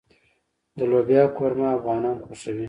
د لوبیا قورمه افغانان خوښوي.